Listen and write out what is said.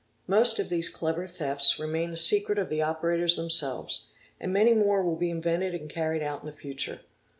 Most of these clever thefts remain the secret of the operators themselves, and many more will be invented and carried out in the future.